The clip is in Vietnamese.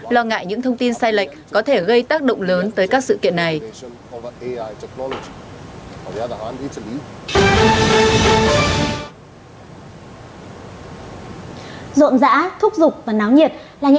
lo ngại những thông tin sai lệch có thể gây tác động lớn tới các sự kiện này